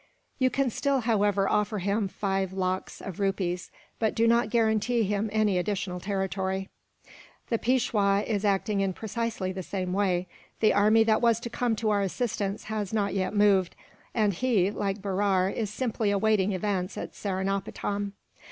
You can still, however, offer him five lakhs of rupees; but do not guarantee him any additional territory. "The Peishwa is acting in precisely the same way. The army that was to come to our assistance has not yet moved; and he, like Berar, is simply awaiting events at Seringapatam."